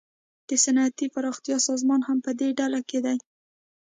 د صنعتي پراختیا سازمان هم پدې ډله کې دی